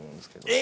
え！